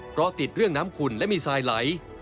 เพราะติดเรื่องน้ำขุ่นและมีทรายไหล